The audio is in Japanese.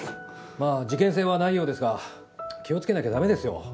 まあ事件性はないようですが気をつけなきゃダメですよ。